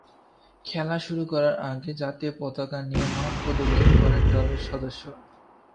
খেলা শুরুর আগে জাতীয় পতাকা নিয়ে মাঠ প্রদক্ষিণ করেন দলের সদস্যরা।